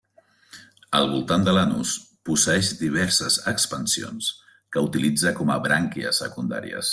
Al voltant de l'anus posseeix diverses expansions que utilitza com a brànquies secundàries.